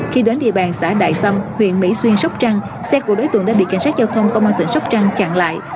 khi đến địa bàn xã đại tâm huyện mỹ xuyên sóc trăng xe của đối tượng đã bị cảnh sát giao thông công an tỉnh sóc trăng chặn lại